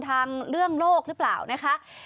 ทางเรื่องโลกหรือเปล่านะคะ